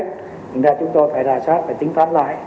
cho nên chúng tôi phải rà soát phải tính toán lại